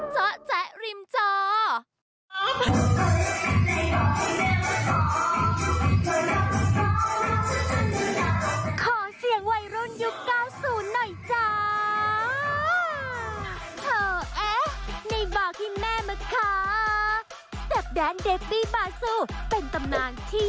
โปรดติดตามตอนต่อไป